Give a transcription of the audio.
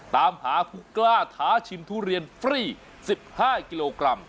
ตามหาผู้กล้าท้าชิมทุเรียนฟรี๑๕กิโลกรัม